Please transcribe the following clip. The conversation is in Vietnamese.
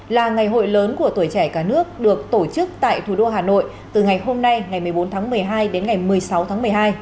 là ngày hội lớn của tuổi trẻ cả nước được tổ chức tại thủ đô hà nội từ ngày hôm nay ngày một mươi bốn tháng một mươi hai đến ngày một mươi sáu tháng một mươi hai